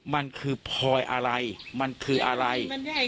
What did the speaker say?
มันคือพลอยอะไรมันคืออะไร